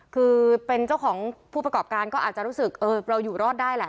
คือเป็นเจ้าของผู้ประกอบการก็อาจจะรู้สึกเราอยู่รอดได้แหละ